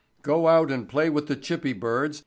GO OUT AND PLAY WITH THE CHIPPY BIRDS.